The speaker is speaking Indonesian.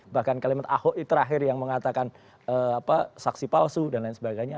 bahkan kalimat ahok terakhir yang mengatakan saksi palsu dan lain sebagainya